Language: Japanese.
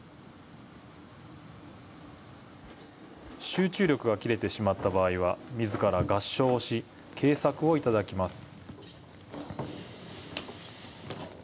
集中力が切れてしまった場合、自ら合掌をし、警策をいただきます。